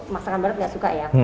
masakan barat nggak suka ya